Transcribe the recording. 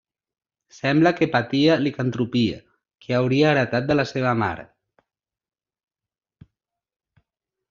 Sembla que patia de licantropia, que hauria heretat de la seva mare.